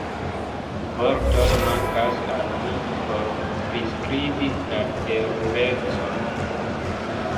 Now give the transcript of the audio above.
Vortoj mankas al mi por priskribi la terurecon.